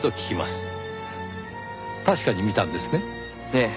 ええ。